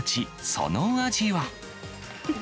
その味は。